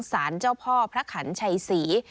สารเจ้าพ่อพระขันชัยศรี